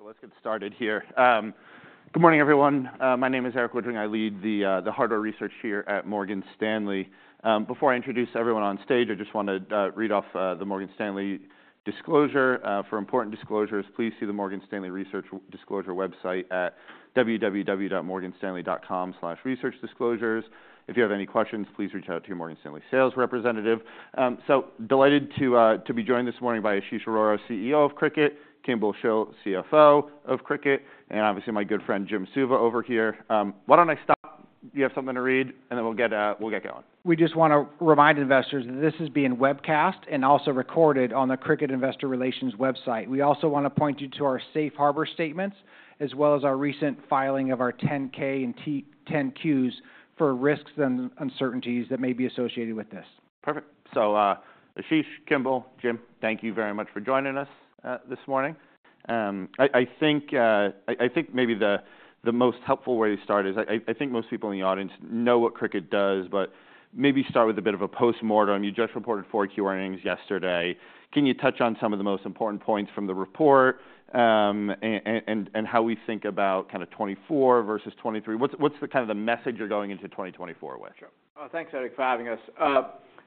All right, perfect. So let's get started here. Good morning, everyone. My name is Erik Woodring. I lead the hardware research here at Morgan Stanley. Before I introduce everyone on stage, I just want to read off the Morgan Stanley disclosure. "For important disclosures, please see the Morgan Stanley Research Disclosure website at www.morganstanley.com/researchdisclosures. If you have any questions, please reach out to your Morgan Stanley sales representative." So delighted to be joined this morning by Ashish Arora, CEO of Cricut; Kimball Shill, CFO of Cricut, and obviously my good friend, Jim Suva, over here. Why don't I stop? Do you have something to read? And then we'll get going. We just wanna remind investors that this is being webcast and also recorded on the Cricut Investor Relations website. We also want to point you to our safe harbor statements, as well as our recent filing of our 10-K and 10-Qs for risks and uncertainties that may be associated with this. Perfect. So, Ashish, Kimball, Jim, thank you very much for joining us this morning. I think maybe the most helpful way to start is I think most people in the audience know what Cricut does, but maybe start with a bit of a postmortem. You just reported Q4 earnings yesterday. Can you touch on some of the most important points from the report, and how we think about kind of 2024 versus 2023? What's the kind of the message you're going into 2024 with? Sure. Thanks, Erik, for having us.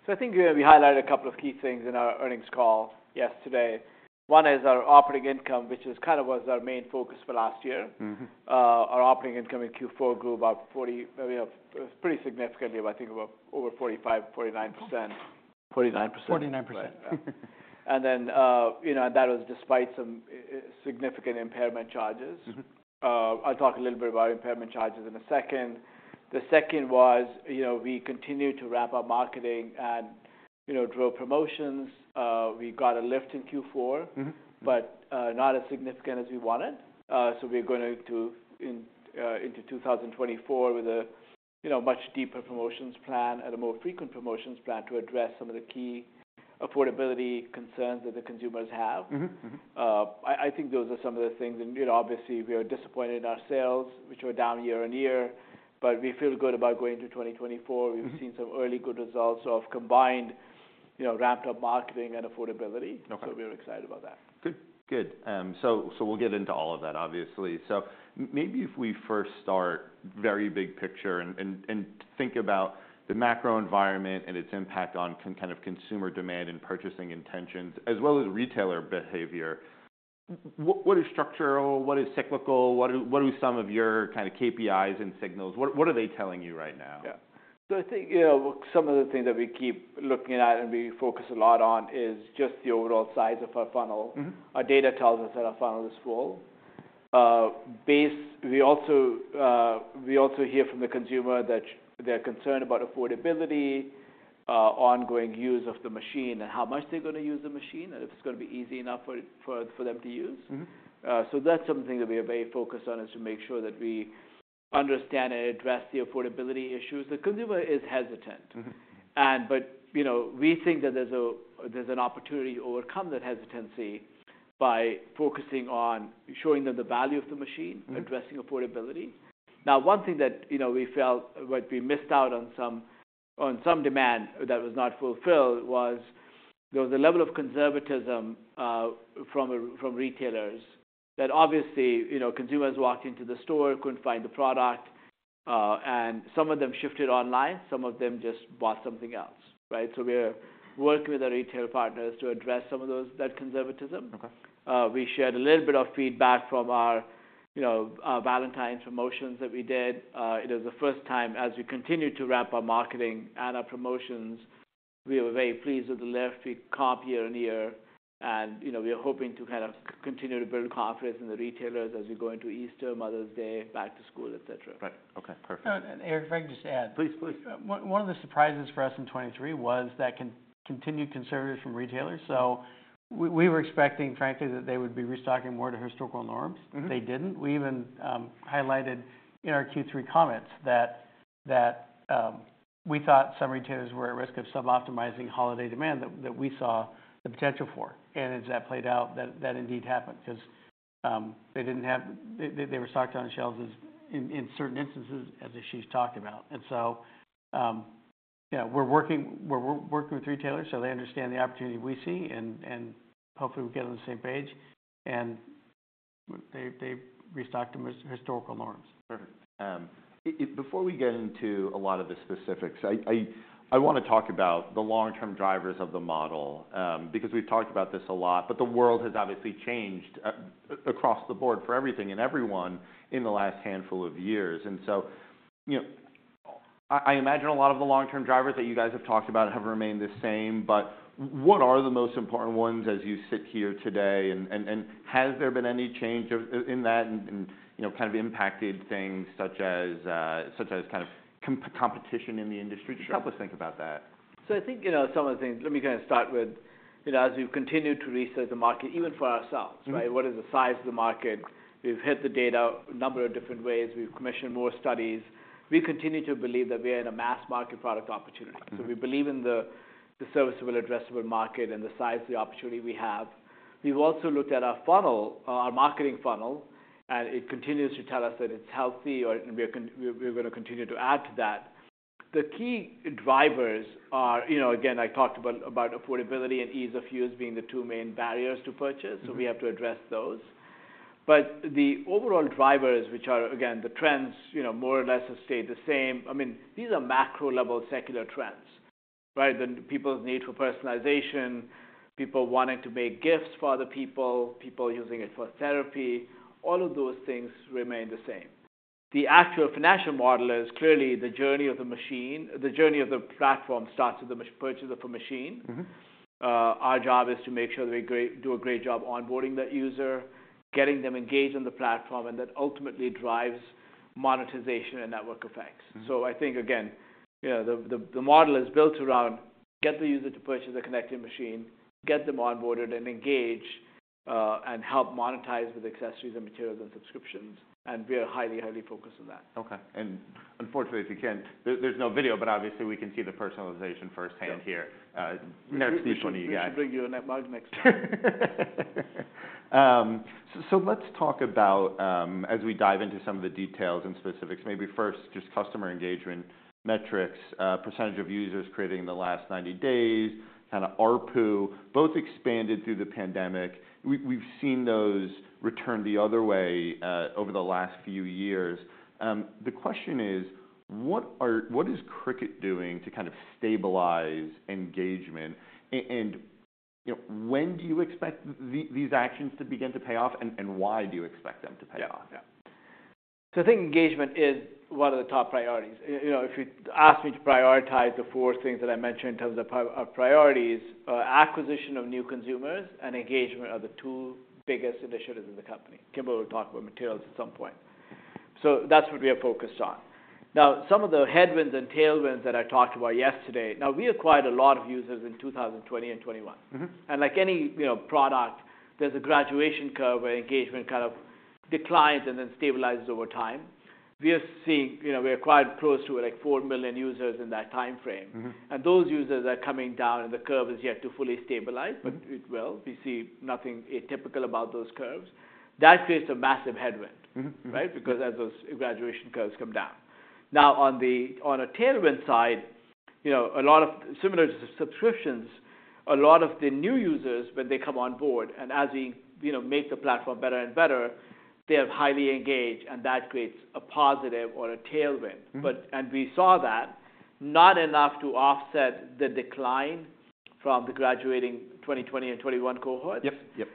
So I think, you know, we highlighted a couple of key things in our earnings call yesterday. One is our operating income, which is kind of was our main focus for last year. Our operating income in Q4 grew about 40%, you know, pretty significantly, about, I think, about over 45%-49%. 49% And then, you know, that was despite some significant impairment charges. I'll talk a little bit about impairment charges in a second. The second was, you know, we continued to wrap up marketing and, you know, drove promotions. We got a lift in Q4. But, not as significant as we wanted. So we're going to into 2024 with a, you know, much deeper promotions plan and a more frequent promotions plan to address some of the key affordability concerns that the consumers have. I think those are some of the things. You know, obviously, we are disappointed in our sales, which were down year-over-year, but we feel good about going into 2024. We've seen some early good results of combined, you know, wrapped up marketing and affordability. We're excited about that. Good. So we'll get into all of that, obviously. So maybe if we first start very big picture and think about the macro environment and its impact on kind of consumer demand and purchasing intentions, as well as retailer behavior. What is structural? What is cyclical? What are some of your kind of KPIs and signals? What are they telling you right now? Yeah. So I think, you know, some of the things that we keep looking at and we focus a lot on is just the overall size of our funnel. Our data tells us that our funnel is full. We also hear from the consumer that they're concerned about affordability, ongoing use of the machine, and how much they're gonna use the machine, and if it's gonna be easy enough for them to use. So that's something that we are very focused on, is to make sure that we understand and address the affordability issues. The consumer is hesitant. You know, we think that there's an opportunity to overcome that hesitancy by focusing on showing them the value of the machine addressing affordability. Now, one thing that, you know, we felt what we missed out on some demand that was not fulfilled was, there was a level of conservatism from retailers, that obviously, you know, consumers walked into the store, couldn't find the product, and some of them shifted online, some of them just bought something else, right? So we're working with our retail partners to address some of that conservatism. Okay. We shared a little bit of feedback from our, you know, Valentine's promotions that we did. It is the first time as we continued to wrap our marketing and our promotions, we were very pleased with the left copy year-over-year. And, you know, we are hoping to kind of continue to build confidence in the retailers as we go into Easter, Mother's Day, back-to-school, et cetera. Right. Okay, perfect. Erik, if I can just add. Please. One of the surprises for us in 2023 was that continued conservatism from retailers. So we were expecting, frankly, that they would be restocking more to historical norms. They didn't. We even highlighted in our Q3 comments that we thought some retailers were at risk of suboptimizing holiday demand that we saw the potential for. And as that played out, that indeed happened because they were stocked on shelves in certain instances, as Ashish talked about. And so, yeah, we're working with retailers so they understand the opportunity we see, and hopefully we get on the same page, and they restock to historical norms. Perfect. Before we get into a lot of the specifics, I wanna talk about the long-term drivers of the model, because we've talked about this a lot, but the world has obviously changed across the board for everything and everyone in the last handful of years. And so, you know, I imagine a lot of the long-term drivers that you guys have talked about have remained the same, but what are the most important ones as you sit here today? And has there been any change in that, and you know, kind of impacted things such as such as kind of competition in the industry? Sure. Just help us think about that. So, I think, you know, some of the things... Let me kind of start with, you know, as we've continued to research the market, even for ourselves, right? What is the size of the market? We've hit the data a number of different ways. We've commissioned more studies. We continue to believe that we are in a mass-market product opportunity. So we believe in the serviceable addressable market and the size of the opportunity we have. We've also looked at our funnel, our marketing funnel, and it continues to tell us that it's healthy, and we're gonna continue to add to that. The key drivers are, you know, again, I talked about affordability and ease of use being the two main barriers to purchase, so we have to address those. But the overall drivers, which are, again, the trends, you know, more or less have stayed the same. I mean, these are macro-level secular trends, right? The people's need for personalization, people wanting to make gifts for other people, people using it for therapy, all of those things remain the same. The actual financial model is clearly the journey of the machine, the journey of the platform starts with the purchase of a machine. Mm-hmm. Our job is to make sure that we do a great job onboarding that user, getting them engaged on the platform, and that ultimately drives monetization and network effects.. So I think, again, yeah, the model is built around: get the user to purchase a connected machine, get them onboarded and engaged, and help monetize with accessories and materials and subscriptions, and we are highly, highly focused on that. Okay. And unfortunately, if you can't... There, there's no video, but obviously, we can see the personalization firsthand here next to each one of you guys. We should bring you a Cricut Mug next time. So let's talk about, as we dive into some of the details and specifics, maybe first, just customer engagement metrics, percentage of users creating in the last 90 days, kind of ARPU, both expanded through the pandemic. We've seen those return the other way, over the last few years. The question is: What is Cricut doing to kind of stabilize engagement? And, you know, when do you expect these actions to begin to pay off, and why do you expect them to pay off? Yeah. Yeah. So I think engagement is one of the top priorities. You know, if you ask me to prioritize the four things that I mentioned in terms of priorities, acquisition of new consumers and engagement are the two biggest initiatives in the company. Kimball will talk about materials at some point. So that's what we are focused on. Now, some of the headwinds and tailwinds that I talked about yesterday. Now, we acquired a lot of users in 2020 and 2021. Like any, you know, product, there's a graduation curve where engagement kind of declines and then stabilizes over time. We are seeing - you know, we acquired close to, like, 4 million users in that time frame. Those users are coming down, and the curve is yet to fully stabilize. But it will. We see nothing atypical about those curves. That creates a massive headwind. Right? Because as those graduation curves come down. Now, on a tailwind side, you know, a lot of similar subscriptions, a lot of the new users, when they come on board, and as we, you know, make the platform better and better, they are highly engaged, and that creates a positive or a tailwind. We saw that not enough to offset the decline from the graduating 2020 and 2021 cohorts. Yep.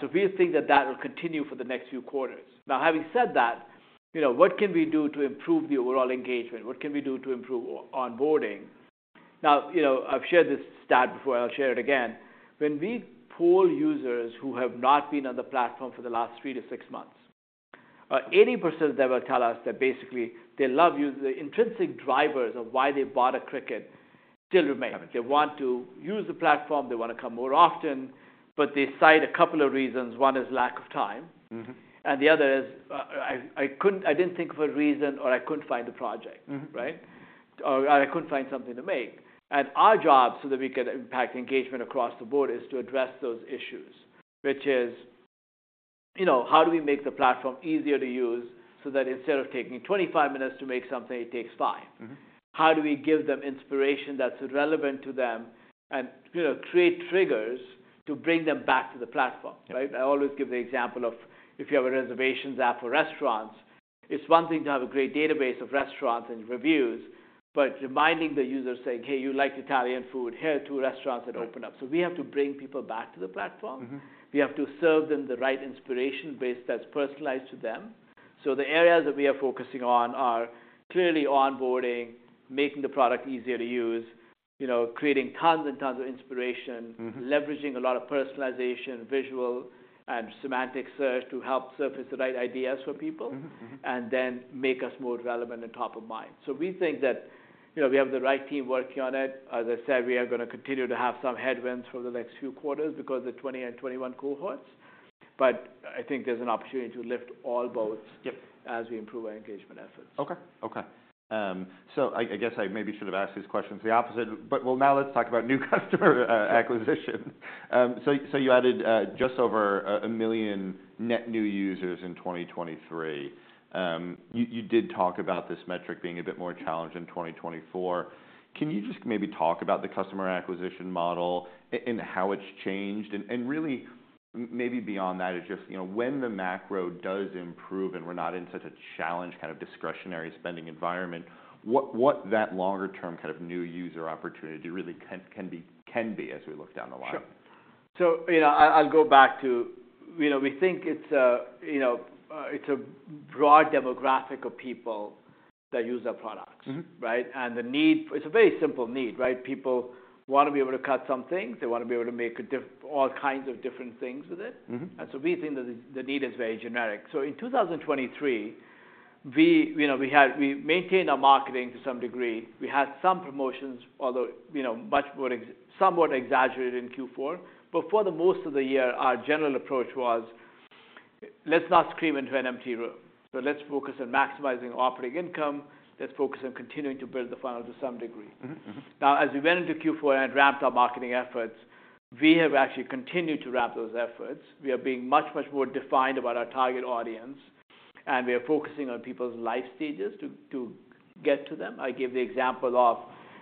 So we think that that will continue for the next few quarters. Now, having said that, you know, what can we do to improve the overall engagement? What can we do to improve onboarding? Now, you know, I've shared this stat before, I'll share it again. When we poll users who have not been on the platform for the last three to six months, 80% of them will tell us that basically, they love you. The intrinsic drivers of why they bought a Cricut still remain. Got it. They want to use the platform, they want to come more often, but they cite a couple of reasons. One is lack of time. Mm-hmm. And the other is, I couldn't, I didn't think of a reason, or I couldn't find a project. Right? Or I couldn't find something to make. And our job, so that we can impact engagement across the board, is to address those issues, which is, you know, how do we make the platform easier to use so that instead of taking 25 minutes to make something, it takes 5? How do we give them inspiration that's relevant to them and, you know, create triggers to bring them back to the platform, right? Yeah. I always give the example of if you have a reservations app for restaurants, it's one thing to have a great database of restaurants and reviews, but reminding the user, saying: "Hey, you like Italian food. Here are two restaurants that opened up. Right. We have to bring people back to the platform. We have to serve them the right inspiration base that's personalized to them. So the areas that we are focusing on are clearly onboarding, making the product easier to use, you know, creating tons and tons of inspiration leveraging a lot of personalization, visual and semantic search to help surface the right ideas for people. And then make us more relevant and top of mind. So we think that, you know, we have the right team working on it. As I said, we are gonna continue to have some headwinds for the next few quarters because of the 2020 and 2021 cohorts, but I think there's an opportunity to lift all boats as we improve our engagement efforts. Okay. Okay. So I guess I maybe should have asked these questions the opposite, but... Well, now let's talk about new customer acquisition. So you added just over 1 million net new users in 2023. You did talk about this metric being a bit more challenged in 2024. Can you just maybe talk about the customer acquisition model and how it's changed, and really, maybe beyond that, is just, you know, when the macro does improve and we're not in such a challenged, kind of, discretionary spending environment, what that longer-term kind of new user opportunity really can be as we look down the line? Sure. So, you know, I'll go back to... You know, we think it's a, you know, it's a broad demographic of people that use our products. Mm-hmm. Right? It's a very simple need, right? People want to be able to cut some things. They want to be able to make all kinds of different things with it. Mm-hmm. We think that the need is very generic. So in 2023, you know, we maintained our marketing to some degree. We had some promotions, although, you know, somewhat exaggerated in Q4. But for the most of the year, our general approach was, let's not scream into an empty room. So let's focus on maximizing operating income. Let's focus on continuing to build the funnel to some degree. Now, as we went into Q4 and ramped our marketing efforts, we have actually continued to wrap those efforts. We are being much, much more defined about our target audience, and we are focusing on people's life stages to get to them. I give the example of,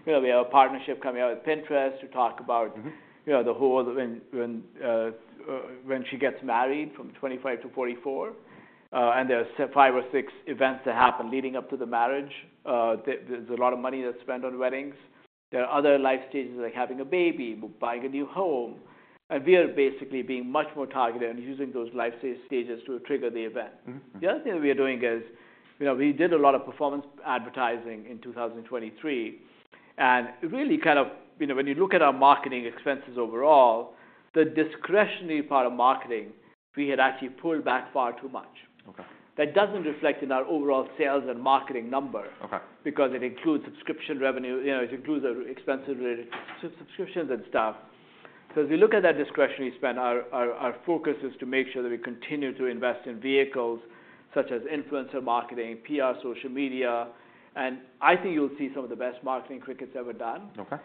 you know, we have a partnership coming out with Pinterest to talk about- You know, the whole when she gets married, from 25 to 44, and there are 5 or 6 events that happen leading up to the marriage. There's a lot of money that's spent on weddings. There are other life stages, like having a baby, buying a new home, and we are basically being much more targeted and using those life stages to trigger the event. The other thing we are doing is, you know, we did a lot of performance advertising in 2023, and really kind of, you know, when you look at our marketing expenses overall, the discretionary part of marketing, we had actually pulled back far too much. Okay. That doesn't reflect in our overall sales and marketing number- Okay. Because it includes subscription revenue, you know, it includes the expenses related to subscriptions and stuff. So as we look at that discretionary spend, our focus is to make sure that we continue to invest in vehicles such as influencer marketing, PR, social media, and I think you'll see some of the best marketing Cricut's ever done. Okay.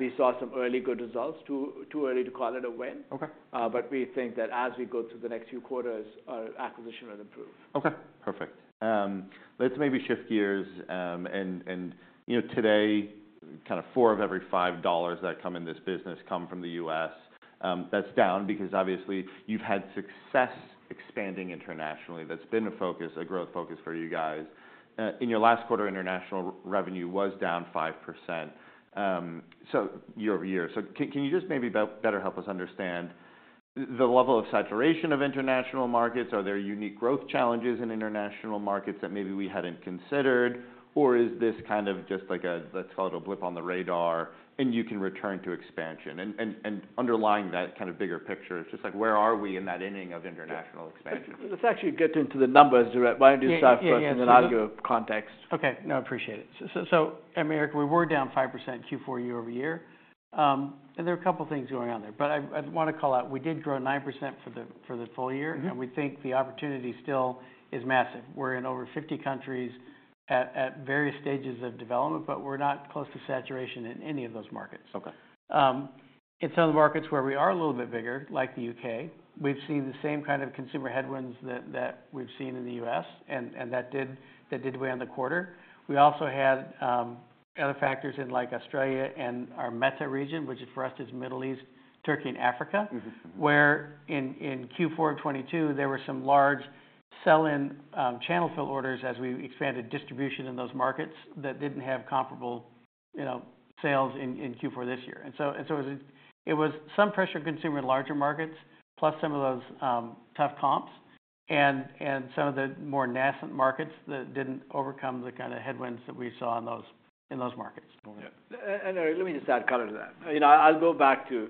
We saw some early good results too early to call it a win. Okay. But we think that as we go through the next few quarters, our acquisition will improve. Okay, perfect. Let's maybe shift gears. And you know, today, kind of $4 of every $5 that come in this business come from the U.S. That's down because obviously you've had success expanding internationally. That's been a focus, a growth focus for you guys. In your last quarter, international revenue was down 5%, so year-over-year. So can you just maybe better help us understand the level of saturation of international markets? Are there unique growth challenges in international markets that maybe we hadn't considered? Or is this kind of just like a, let's call it a blip on the radar, and you can return to expansion? And underlying that kind of bigger picture, it's just like, where are we in that inning of international expansion? Let's actually get into the numbers, right? Why don't you start- Yeah, yeah. And then I'll give context. Okay. No, I appreciate it. So, I mean, Erik, we were down 5% Q4 year-over-year. And there are a couple of things going on there, but I wanna call out, we did grow 9% for the full year- And we think the opportunity still is massive. We're in over 50 countries at various stages of development, but we're not close to saturation in any of those markets. Okay. In some markets where we are a little bit bigger, like the U.K., we've seen the same kind of consumer headwinds that we've seen in the U.S., and that did weigh on the quarter. We also had other factors in, like Australia and our META region, which for us is Middle East, Turkey, and Africa. Mm-hmm. Where in, in Q4 of 2022, there were some large sell-in, channel fill orders as we expanded distribution in those markets that didn't have comparable, you know, sales in, in Q4 this year. And so, and so it, it was some pressure consumer in larger markets, plus some of those, tough comps and, and some of the more nascent markets that didn't overcome the kinda headwinds that we saw in those, in those markets. Yeah. And let me just add color to that. You know, I'll go back to,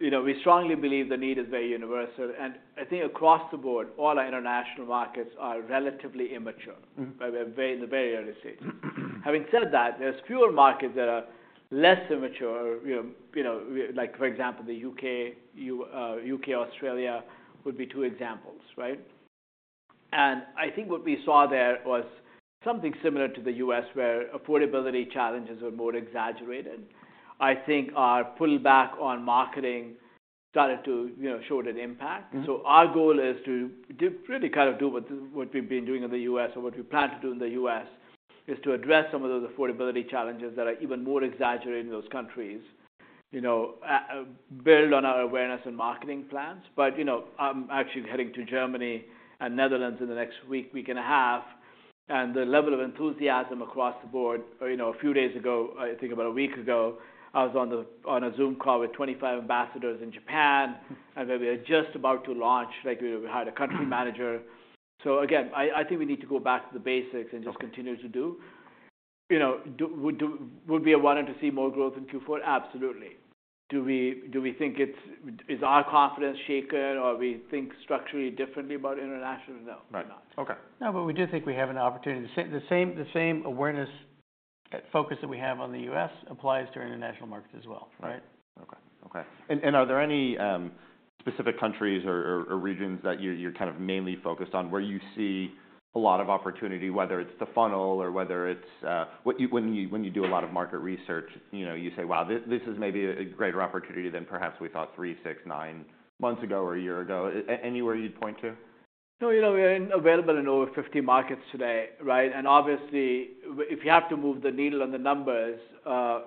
you know, we strongly believe the need is very universal, and I think across the board, all our international markets are relatively immature. Mm-hmm. They're very, in the very early stages. Having said that, there's fewer markets that are less immature, you know, you know, like, for example, the U.K., Australia, would be two examples, right? And I think what we saw there was something similar to the U.S., where affordability challenges were more exaggerated. I think our pull back on marketing started to, you know, showed an impact. Mm-hmm. So our goal is to really kind of do what we've been doing in the U.S, or what we plan to do in the U.S., is to address some of those affordability challenges that are even more exaggerated in those countries. You know, build on our awareness and marketing plans. But, you know, I'm actually heading to Germany and Netherlands in the next week and a half, and the level of enthusiasm across the board. You know, a few days ago, I think about a week ago, I was on a Zoom call with 25 ambassadors in Japan, and then we are just about to launch, like, we hired a country manager. So again, I think we need to go back to the basics- And just continue to do. You know, would we have wanted to see more growth in Q4? Absolutely. Do we think it's... Is our confidence shaken, or we think structurally differently about international? No. Right. We not. Okay. No, but we do think we have an opportunity. The same awareness, focus that we have on the U.S. applies to our international markets as well, right? Okay. Okay. And are there any specific countries or regions that you're kind of mainly focused on, where you see a lot of opportunity, whether it's the funnel or whether it's... when you do a lot of market research, you know, you say: Wow, this is maybe a greater opportunity than perhaps we thought 3, 6, 9 months ago or a year ago. Anywhere you'd point to? So, you know, we are available in over 50 markets today, right? And obviously, if you have to move the needle on the numbers,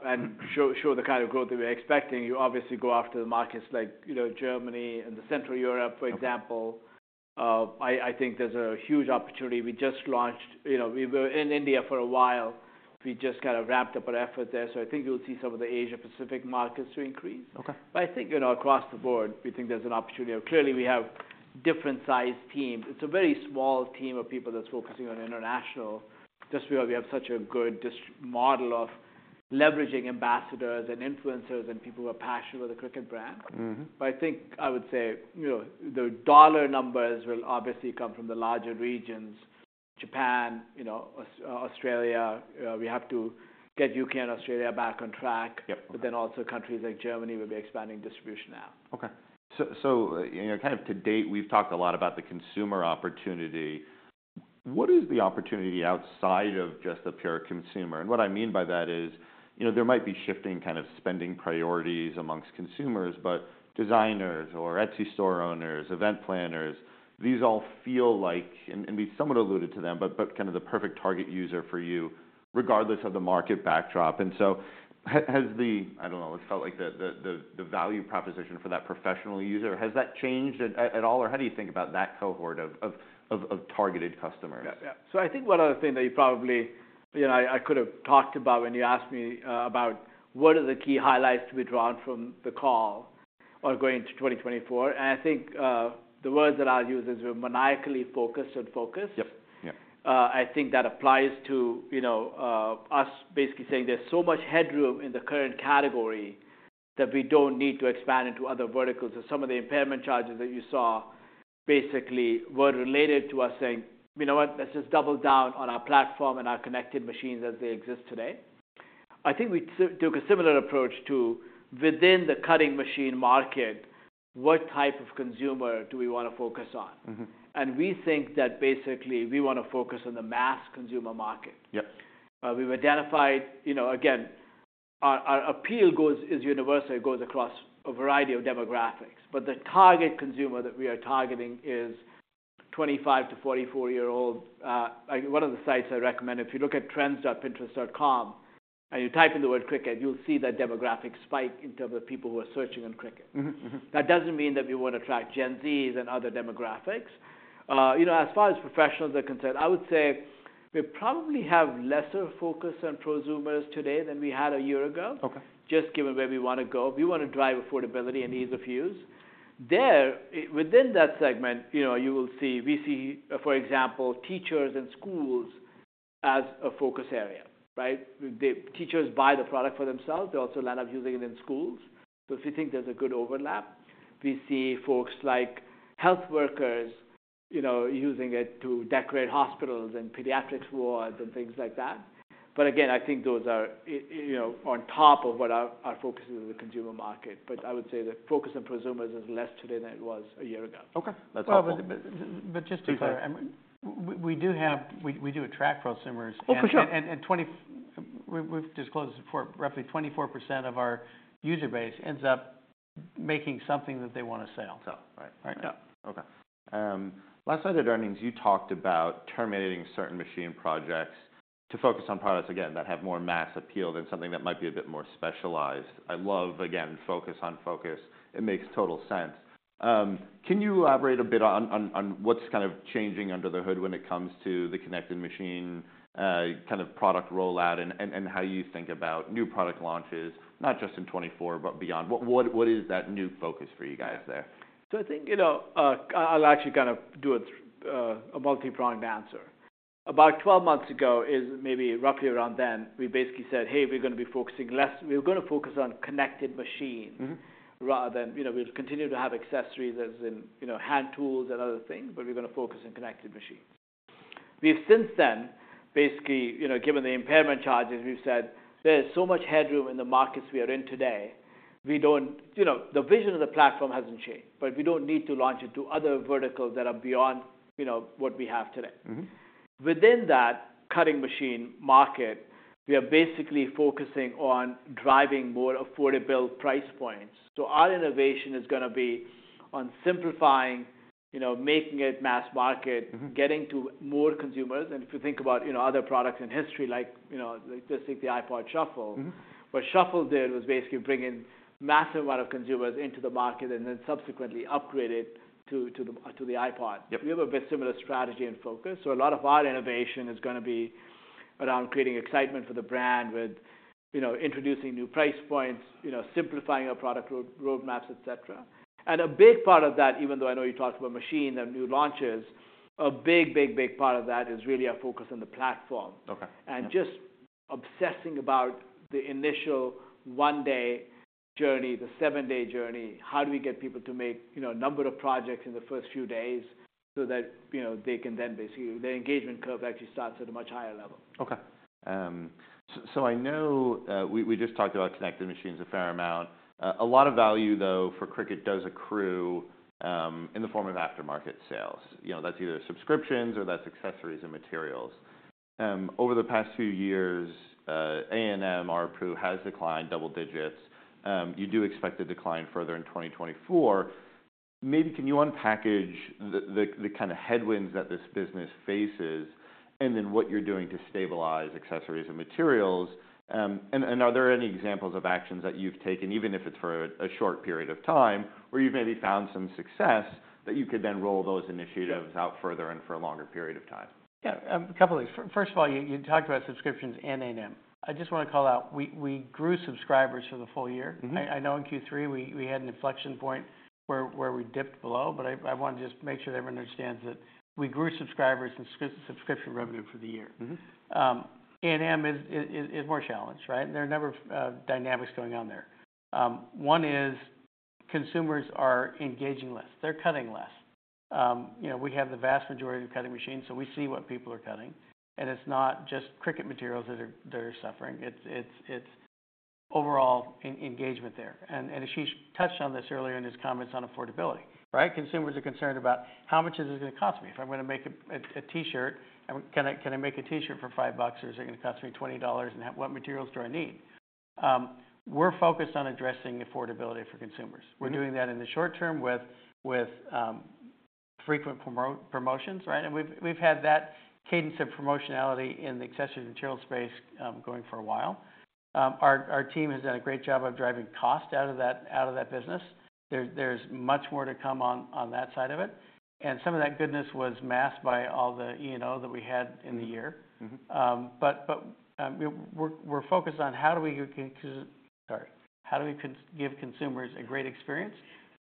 and show the kind of growth that we're expecting, you obviously go after the markets like, you know, Germany and Central Europe, for example. Okay. I think there's a huge opportunity. We just launched... You know, we were in India for a while. We just kind of wrapped up our effort there, so I think you'll see some of the Asia Pacific markets to increase. Okay. But I think, you know, across the board, we think there's an opportunity. Clearly, we have different-sized teams. It's a very small team of people that's focusing on international, just where we have such a good distribution model of leveraging ambassadors and influencers and people who are passionate about the Cricut brand. Mm-hmm. I think I would say, you know, the dollar numbers will obviously come from the larger regions, Japan, you know, Australia. We have to get U.K. and Australia back on track. Yep. But then also countries like Germany, we'll be expanding distribution now. Okay. So, you know, kind of to date, we've talked a lot about the consumer opportunity... What is the opportunity outside of just the pure consumer? And what I mean by that is, you know, there might be shifting kind of spending priorities amongst consumers, but designers or Etsy store owners, event planners, these all feel like, and we somewhat alluded to them, but kind of the perfect target user for you, regardless of the market backdrop. And so has the, I don't know, it felt like the value proposition for that professional user, has that changed at all, or how do you think about that cohort of targeted customers? Yeah. Yeah. So I think one other thing that you probably, you know, I could have talked about when you asked me about what are the key highlights to be drawn from the call or going into 2024, and I think the words that I'll use is we're maniacally focused on focus. Yep, yep. I think that applies to, you know, us basically saying there's so much headroom in the current category, that we don't need to expand into other verticals. So some of the impairment charges that you saw basically were related to us saying: You know what? Let's just double down on our platform and our connected machines as they exist today. I think we took a similar approach to, within the cutting machine market, what type of consumer do we want to focus on? Mm-hmm. We think that basically we want to focus on the mass consumer market. Yeah. We've identified, you know, again, our appeal is universal. It goes across a variety of demographics, but the target consumer that we are targeting is 25- to 44-year-old. One of the sites I recommend, if you look at trends.pinterest.com, and you type in the word Cricut, you'll see that demographic spike in terms of people who are searching on Cricut. Mm-hmm. Mm-hmm. That doesn't mean that we want to attract Gen Z and other demographics. You know, as far as professionals are concerned, I would say we probably have lesser focus on prosumers today than we had a year ago. Okay. Just given where we want to go. We want to drive affordability and ease of use. There, within that segment, you know, you will see we see, for example, teachers and schools as a focus area, right? The teachers buy the product for themselves, they also end up using it in schools. So we think there's a good overlap. We see folks like health workers, you know, using it to decorate hospitals and pediatrics wards and things like that. But again, I think those are, you know, on top of what our, our focus is on the consumer market. But I would say the focus on prosumers is less today than it was a year ago. Okay. Well, just to be clear- Please. We do have. We do attract prosumers. Oh, for sure. We've disclosed this before, roughly 24% of our user base ends up making something that they want to sell. Got it, right. Right. Yeah. Okay. Last night at earnings, you talked about terminating certain machine projects to focus on products, again, that have more mass appeal than something that might be a bit more specialized. I love, again, focus on focus. It makes total sense. Can you elaborate a bit on what's kind of changing under the hood when it comes to the connected machine kind of product rollout and how you think about new product launches, not just in 2024, but beyond? What is that new focus for you guys there? I think, you know, I'll actually kind of do a multi-pronged answer. About 12 months ago is maybe roughly around then, we basically said: Hey, we're going to be focusing less. We're going to focus on connected machines- Mm-hmm. Rather than, you know, we'll continue to have accessories as in, you know, hand tools and other things, but we're going to focus on connected machines. We've since then, basically, you know, given the impairment charges, we've said: There's so much headroom in the markets we are in today, we don't... You know, the vision of the platform hasn't changed, but we don't need to launch it to other verticals that are beyond, you know, what we have today. Mm-hmm. Within that cutting machine market, we are basically focusing on driving more affordable price points. Our innovation is going to be on simplifying, you know, making it mass market- Mm-hmm. getting to more consumers. And if you think about, you know, other products in history, like, you know, just take the iPod Shuffle. Mm-hmm. What Shuffle did was basically bring in massive amount of consumers into the market and then subsequently upgrade it to the iPod. Yep. We have a bit similar strategy and focus, so a lot of our innovation is going to be around creating excitement for the brand with, you know, introducing new price points, you know, simplifying our product road maps, et cetera. A big part of that, even though I know you talked about machine and new launches, a big, part of that is really our focus on the platform. Okay. Just obsessing about the initial one-day journey, the seven-day journey. How do we get people to make, you know, a number of projects in the first few days so that, you know, they can then basically? The engagement curve actually starts at a much higher level. Okay. So I know we just talked about connected machines a fair amount. A lot of value, though, for Cricut, does accrue in the form of aftermarket sales. You know, that's either subscriptions or that's accessories and materials. Over the past few years, A&M, ARPU, has declined double digits. You do expect a decline further in 2024. Maybe can you unpackage the kind of headwinds that this business faces, and then what you're doing to stabilize accessories and materials? And are there any examples of actions that you've taken, even if it's for a short period of time, where you've maybe found some success that you could then roll those initiatives out further and for a longer period of time? Yeah, a couple of things. First of all, you talked about subscriptions and A&M. I just want to call out, we grew subscribers for the full year. Mm-hmm. I know in Q3 we had an inflection point where we dipped below, but I want to just make sure everyone understands that we grew subscribers and subscription revenue for the year. Mm-hmm. A&M is more challenged, right? There are a number of dynamics going on there. One is consumers are engaging less. They're cutting less. You know, we have the vast majority of cutting machines, so we see what people are cutting, and it's not just Cricut materials that are suffering. It's overall engagement there. Ashish touched on this earlier in his comments on affordability, right? Consumers are concerned about: How much is this going to cost me if I'm going to make a T-shirt? And can I make a T-shirt for $5, or is it going to cost me $20, and what materials do I need? We're focused on addressing affordability for consumers. We're doing that in the short term with frequent promotions, right? We've had that cadence of promotionality in the accessories and materials space, going for a while. Our team has done a great job of driving cost out of that business. There's much more to come on that side of it, and some of that goodness was masked by all the E&O that we had in the year. Mm-hmm. But we're focused on how do we give consumers a great experience,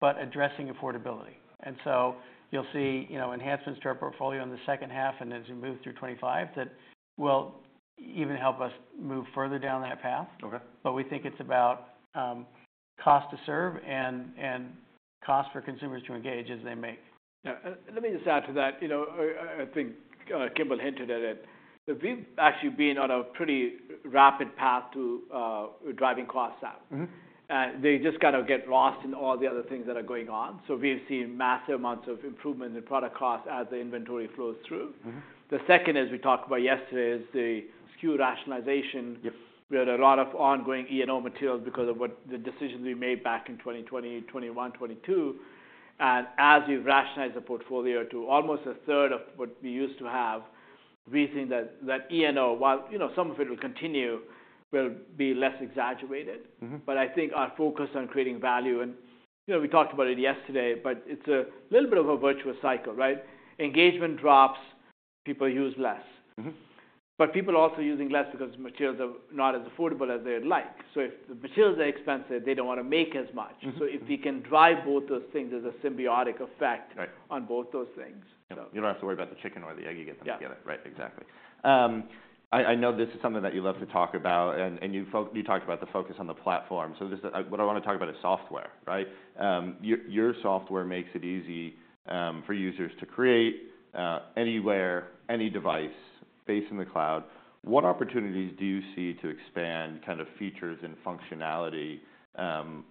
but addressing affordability? And so you'll see, you know, enhancements to our portfolio in the second half, and as we move through 2025, that will even help us move further down that path. Okay. But we think it's about cost to serve and cost for consumers to engage as they make. Yeah, let me just add to that. You know, I think Kimball hinted at it, that we've actually been on a pretty rapid path to driving costs out. Mm-hmm. They just kind of get lost in all the other things that are going on. We've seen massive amounts of improvement in product cost as the inventory flows through. Mm-hmm. The second, as we talked about yesterday, is the SKU rationalization. Yes. We had a lot of ongoing E&O materials because of what the decisions we made back in 2020, 2021, 2022. And as we've rationalized the portfolio to almost a third of what we used to have, we think that, that E&O, while, you know, some of it will continue, will be less exaggerated. Mm-hmm. But I think our focus on creating value, and, you know, we talked about it yesterday, but it's a little bit of a virtuous cycle, right? Engagement drops, people use less. Mm-hmm. But people are also using less because materials are not as affordable as they'd like. So if the materials are expensive, they don't want to make as much. Mm-hmm. So if we can drive both those things, there's a symbiotic effect- Right on both those things, so. You don't have to worry about the chicken or the egg. You get them together. Yeah. Right. Exactly. I know this is something that you love to talk about, and you talked about the focus on the platform. So this is... What I want to talk about is software, right? Your software makes it easy for users to create anywhere, any device, based in the cloud. What opportunities do you see to expand kind of features and functionality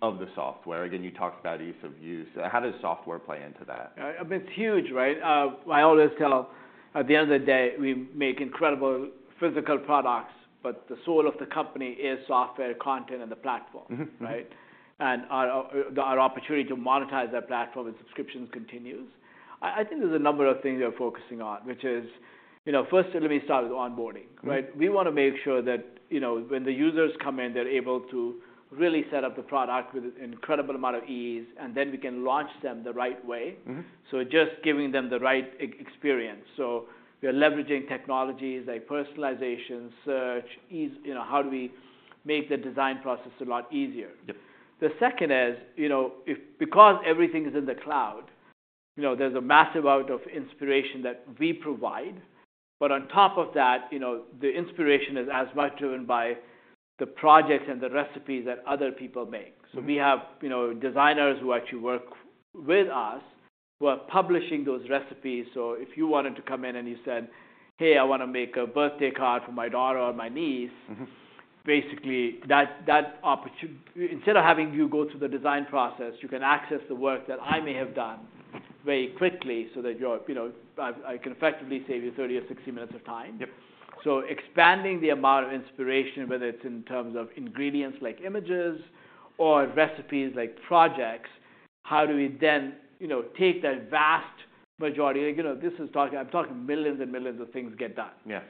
of the software? Again, you talked about ease of use. How does software play into that? I mean, it's huge, right? I always tell, at the end of the day, we make incredible physical products, but the soul of the company is software, content, and the platform. Mm-hmm. Right? And our opportunity to monetize that platform and subscriptions continues. I think there's a number of things we are focusing on, which is, you know, first, let me start with onboarding, right? Mm-hmm. We want to make sure that, you know, when the users come in, they're able to really set up the product with an incredible amount of ease, and then we can launch them the right way. Mm-hmm. So just giving them the right experience. So we are leveraging technologies like personalization, search, ease... You know, how do we make the design process a lot easier? Yep. The second is, you know, because everything is in the cloud, you know, there's a massive amount of inspiration that we provide. But on top of that, you know, the inspiration is as much driven by the projects and the recipes that other people make. Mm-hmm. So we have, you know, designers who actually work with us, who are publishing those recipes. So if you wanted to come in, and you said, "Hey, I want to make a birthday card for my daughter or my niece"- Mm-hmm Basically, instead of having you go through the design process, you can access the work that I may have done very quickly so that, you know, I can effectively save you 30 or 60 minutes of time. Yep. So expanding the amount of inspiration, whether it's in terms of ingredients, like images, or recipes, like projects, how do we then, you know, take that vast majority? You know, this is talking, I'm talking millions and millions of things get done. Yes.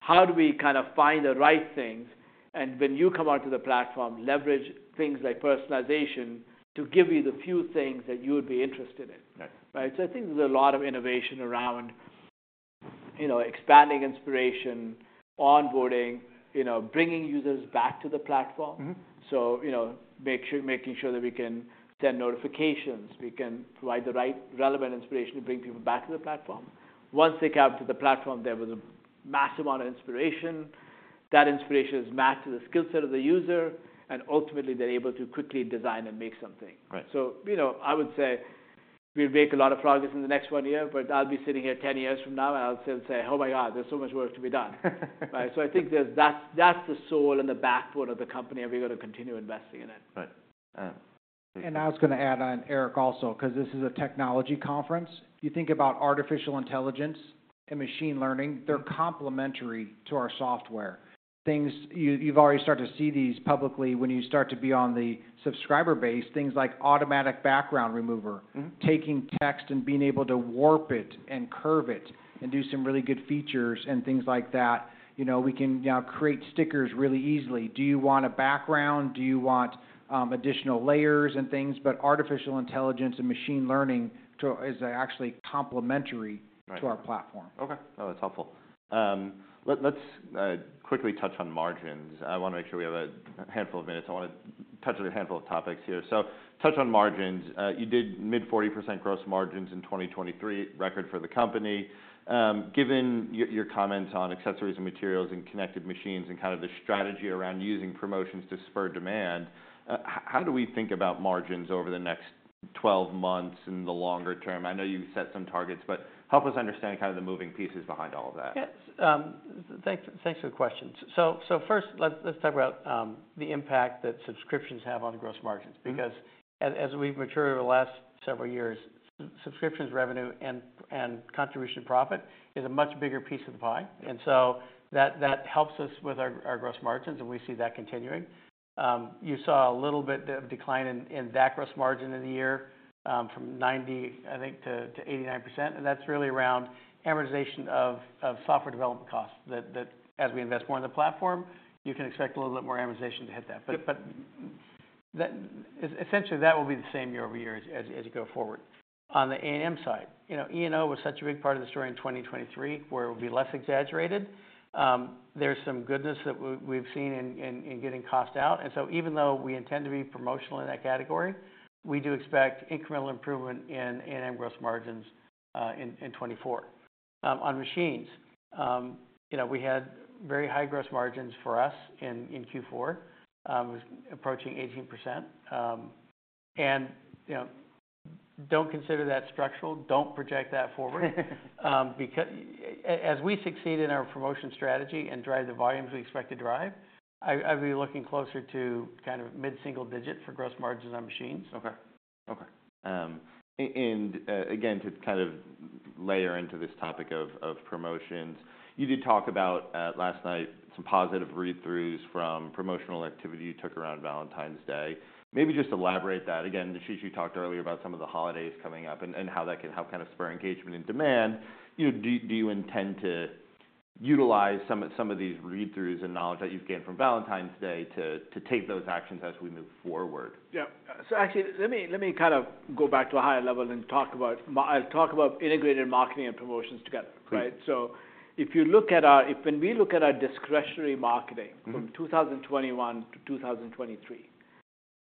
How do we kind of find the right things, and when you come onto the platform, leverage things like personalization to give you the few things that you would be interested in? Right. Right? So I think there's a lot of innovation around, you know, expanding inspiration, onboarding, you know, bringing users back to the platform. Mm-hmm. So, you know, make sure, making sure that we can send notifications, we can provide the right, relevant inspiration to bring people back to the platform. Once they come to the platform, there was a massive amount of inspiration. That inspiration is matched to the skill set of the user, and ultimately, they're able to quickly design and make something. Right. So, you know, I would say we've made a lot of progress in the next 1 year, but I'll be sitting here 10 years from now, and I'll still say, "Oh, my God, there's so much work to be done." Right? So I think that's the soul and the backbone of the company, and we're going to continue investing in it. Right. I was going to add on, Erik, also, because this is a technology conference. You think about artificial intelligence and machine learning. They're complementary to our software. Things. You, you've already started to see these publicly when you start to be on the subscriber base, things like automatic background remover. Mm-hmm. Taking text and being able to warp it and curve it and do some really good features and things like that. You know, we can now create stickers really easily. Do you want a background? Do you want additional layers and things? But artificial intelligence and machine learning to- is actually complementary- Right to our platform. Okay. Oh, that's helpful. Let's quickly touch on margins. I want to make sure we have a handful of minutes. I want to touch on a handful of topics here. So touch on margins. You did mid-40% gross margins in 2023, record for the company. Given your comments on accessories and materials and connected machines and kind of the strategy around using promotions to spur demand, how do we think about margins over the next 12 months in the longer term? I know you've set some targets, but help us understand kind of the moving pieces behind all of that. Yes, thanks, thanks for the question. So, so first, let's, let's talk about the impact that subscriptions have on gross margins. Mm-hmm. Because as we've matured over the last several years, subscriptions revenue and contribution profit is a much bigger piece of the pie, and so that helps us with our gross margins, and we see that continuing. You saw a little bit of decline in that gross margin in the year, from 90%, I think, to 89%, and that's really around amortization of software development costs that as we invest more in the platform, you can expect a little bit more amortization to hit that. Yep. Essentially, that will be the same year-over-year as you go forward. On the A&M side, you know, E&O was such a big part of the story in 2023, where it would be less exaggerated. There's some goodness that we've seen in getting cost out, and so even though we intend to be promotional in that category, we do expect incremental improvement in A&M gross margins in 2024. On machines, you know, we had very high gross margins for us in Q4, it was approaching 18%. And, you know, don't consider that structural, don't project that forward. Because as we succeed in our promotion strategy and drive the volumes we expect to drive, I'd be looking closer to kind of mid-single digit for gross margins on machines. Okay. Okay. And again, to kind of layer into this topic of promotions, you did talk about last night some positive read-throughs from promotional activity you took around Valentine's Day. Maybe just elaborate that. Again, Ashish, you talked earlier about some of the holidays coming up and how that can help kind of spur engagement and demand. You know, do you intend to utilize some of these read-throughs and knowledge that you've gained from Valentine's Day, to take those actions as we move forward? Yeah. So actually, let me, let me kind of go back to a higher level and talk about. I'll talk about integrated marketing and promotions together, right? Mm-hmm. If, when we look at our discretionary marketing- Mm-hmm From 2021 to 2023,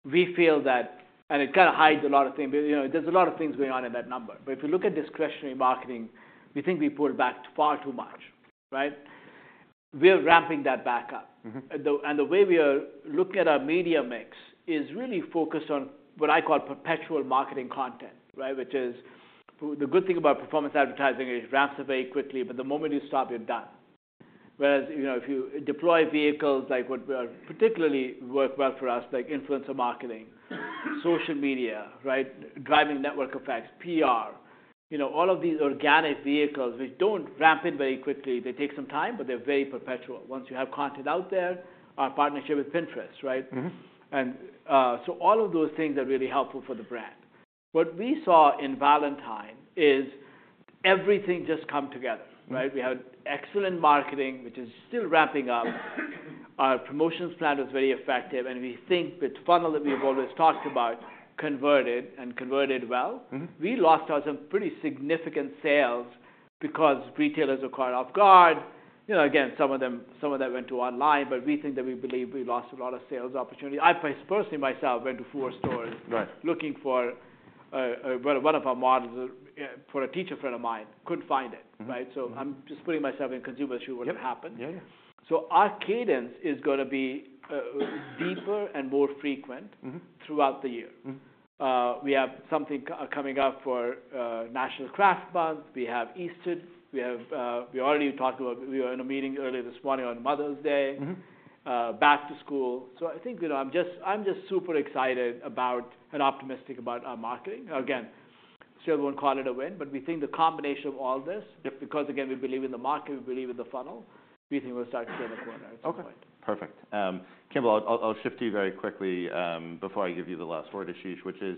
we feel that, and it kind of hides a lot of things, but, you know, there's a lot of things going on in that number. But if you look at discretionary marketing, we think we pulled back far too much, right? We are ramping that back up. Mm-hmm. And the way we are looking at our media mix is really focused on what I call perpetual marketing content, right? Which is, the good thing about performance advertising, is it ramps up very quickly, but the moment you stop, you're done. Whereas, you know, if you deploy vehicles, like what particularly work well for us, like influencer marketing, social media, right? Driving network effects, PR, you know, all of these organic vehicles, which don't ramp it very quickly, they take some time, but they're very perpetual. Once you have content out there, our partnership with Pinterest, right? Mm-hmm. So all of those things are really helpful for the brand. What we saw in Valentine is everything just come together, right? Mm-hmm. We had excellent marketing, which is still ramping up. Our promotions plan was very effective, and we think the funnel that we have always talked about converted and converted well. Mm-hmm. We lost out some pretty significant sales because retailers were caught off guard. You know, again, some of them, some of that went to online, but we think that we believe we lost a lot of sales opportunity. I personally, myself, went to four stores- Right Looking for one of our models for a teacher friend of mine. Couldn't find it, right? Mm-hmm. I'm just putting myself in the consumer's shoes. What had happened. yeah. Our cadence is gonna be deeper and more frequent throughout the year. Mm-hmm. We have something coming up for National Craft Month. We have Easter, we have. We already talked about. We were in a meeting earlier this morning on Mother's Day. Mm-hmm. Back to school. So I think, you know, I'm just, I'm just super excited about and optimistic about our marketing. Mm-hmm. Again, still wouldn't call it a win, but we think the combination of all this because, again, we believe in the market, we believe in the funnel, we think we'll start to see the corner at some point. Okay, perfect. Kimball, I'll shift you very quickly, before I give you the last word, Ashish, which is: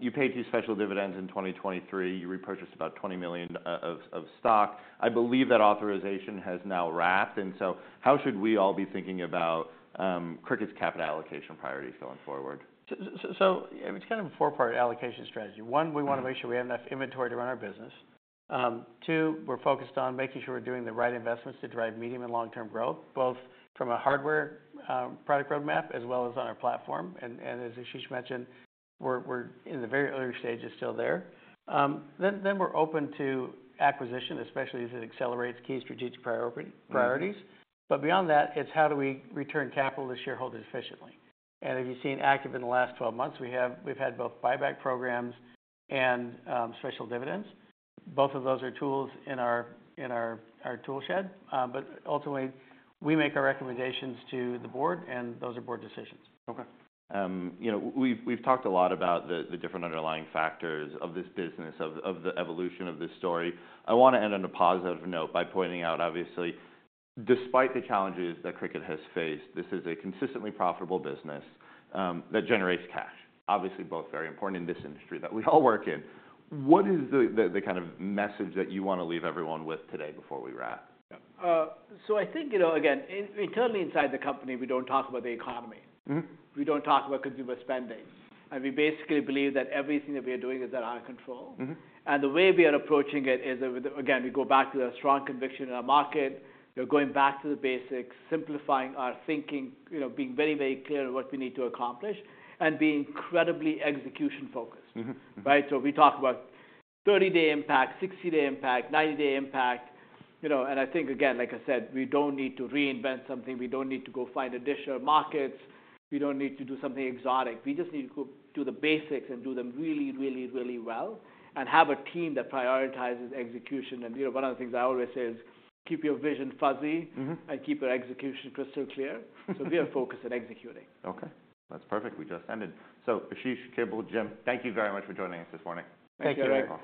you paid two special dividends in 2023. You repurchased about 20 million of stock. I believe that authorization has now wrapped, and so how should we all be thinking about Cricut's capital allocation priorities going forward? So it's kind of a four-part allocation strategy. One we want to make sure we have enough inventory to run our business. Two, we're focused on making sure we're doing the right investments to drive medium and long-term growth, both from a hardware product roadmap, as well as on our platform. And as Ashish mentioned, we're in the very early stages still there. Then we're open to acquisition, especially as it accelerates key strategic priorities. Mm-hmm. But beyond that, it's how do we return capital to shareholders efficiently? And as you've seen active in the last 12 months, we've had both buyback programs and special dividends. Both of those are tools in our tool shed, but ultimately, we make our recommendations to the board, and those are board decisions. Okay. You know, we've talked a lot about the different underlying factors of this business, of the evolution of this story. I want to end on a positive note by pointing out, obviously, despite the challenges that Cricut has faced, this is a consistently profitable business that generates cash. Obviously, both very important in this industry that we all work in. What is the kind of message that you want to leave everyone with today before we wrap? Yeah. So I think, you know, again, internally, inside the company, we don't talk about the economy. Mm-hmm. We don't talk about consumer spending. We basically believe that everything that we are doing is at our control. Mm-hmm. The way we are approaching it is with, again, we go back to the strong conviction in our market. We're going back to the basics, simplifying our thinking, you know, being very, very clear on what we need to accomplish and being incredibly execution focused. Mm-hmm. Right? So we talk about 30-day impact, 60-day impact, 90-day impact, you know, and I think, again, like I said, we don't need to reinvent something. We don't need to go find additional markets. We don't need to do something exotic. We just need to go do the basics and do them really, really, really well and have a team that prioritizes execution. And, you know, one of the things I always say is, "Keep your vision fuzzy and keep your execution crystal clear. So we are focused on executing. Okay, that's perfect. We just ended. So Ashish, Kimball, Jim, thank you very much for joining us this morning. Thank you. Thank you.